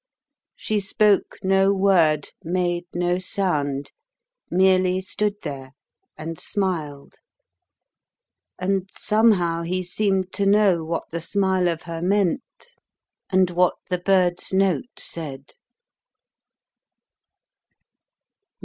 She spoke no word, made no sound; merely stood there and smiled and, somehow, he seemed to know what the smile of her meant and what the bird's note said.